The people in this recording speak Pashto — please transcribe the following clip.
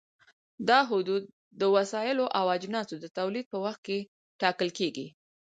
دا حدود د وسایلو او اجناسو د تولید په وخت کې ټاکل کېږي.